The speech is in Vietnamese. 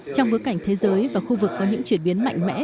trong bối cảnh thế giới và khu vực có những chuyển biến mạnh mẽ